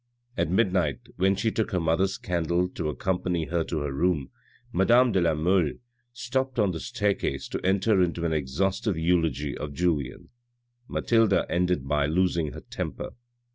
At midnight, when she took her mother's candle to accom pany her to her room, madame de la Mole stopped on the staircase to enter into an exhaustive eulogy of Julien. Mathilde ended by losing her temper.